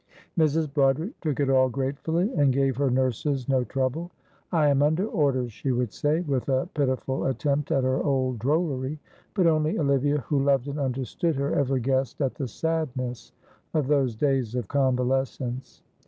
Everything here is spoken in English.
Mrs. Broderick took it all gratefully, and gave her nurses no trouble. "I am under orders," she would say, with a pitiful attempt at her old drollery; but only Olivia, who loved and understood her, ever guessed at the sadness of those days of convalescence.